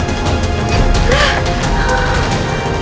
berhenti sekarang juga kamu mau ngapain